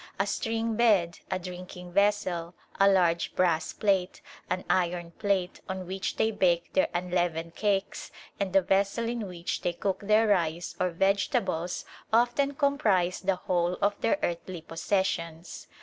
A string bed, a drinking vessel, a large brass plate, an iron plate on which they bake their unleavened cakes and a vessel in which they cook their rice or vegetables often comprise the whole of their earthly possessions.